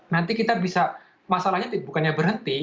nanti kita bisa masalahnya bukannya berhenti